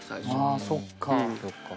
あそっか。